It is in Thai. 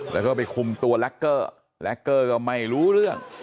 แล้วก็ไปคุมตัวแล็กเกอร์แล็กเกอร์ก็ไม่รู้เรื่อง